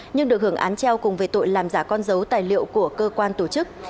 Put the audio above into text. nhưng được hưởng án treo cùng về tội làm giả con dấu tài liệu của cơ quan tổ chức